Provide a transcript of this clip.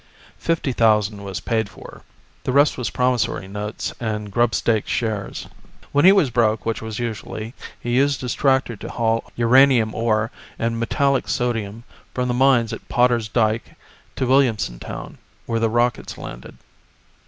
Fifty thousand was paid for. The rest was promissory notes and grubstake shares. When he was broke, which was usually, he used his tractor to haul uranium ore and metallic sodium from the mines at Potter's dike to Williamson Town, where the rockets landed.